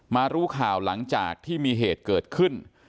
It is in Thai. รู้ข่าวหลังจากที่มีเหตุเกิดขึ้น